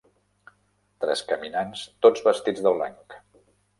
tres caminants tots vestits de blanc.